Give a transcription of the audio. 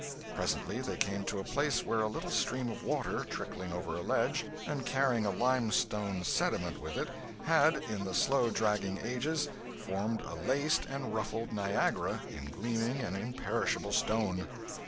Presently they came to a place where a little stream of water, trickling over a ledge and carrying a limestone sediment with it, had, in the slow dragging ages, formed a laced and ruffled Niagara in gleaming and imperishable stone.